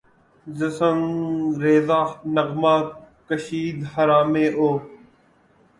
ز سنگ ریزہ نغمہ کشاید خرامِ او